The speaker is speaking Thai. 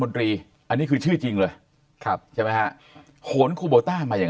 นตรีอันนี้คือชื่อจริงเลยครับใช่ไหมฮะโหนคูโบต้ามาอย่าง